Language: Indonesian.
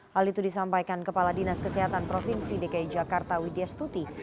hal itu disampaikan kepala dinas kesehatan provinsi dki jakarta widya stuti